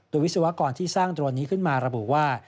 โดยวิศวกรที่สร้างโดรนนี้ขึ้นมาระบุว่า